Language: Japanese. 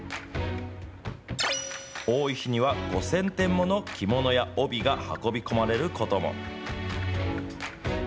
多い日には５０００点もの着物や帯が運び込まれることも。